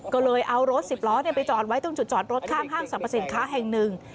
ก็เลยเอารถสิบล้อไปจอดไว้ตรงจุดจอดรถข้างห้างสรรพสินค้าแห่งหนึ่ง